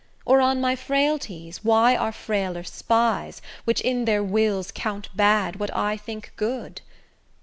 Or on my frailties why are frailer spies, Which in their wills count bad what I think good?